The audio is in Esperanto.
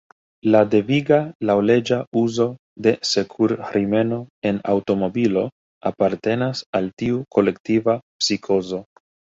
La deviga, laŭleĝa uzo de sekur-rimeno en aŭtomobilo apartenas al tiu kolektiva psikozo.